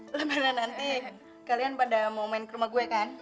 karena nanti kalian pada mau main ke rumah gue kan